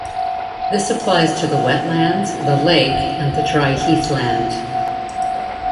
This applies to the wetlands, the lake and the dry heathland.